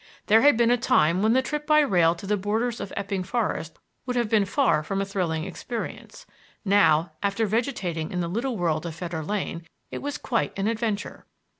There had been a time when a trip by rail to the borders of Epping Forest would have been far from a thrilling experience; now, after vegetating in the little world of Fetter Lane, it was quite an adventure.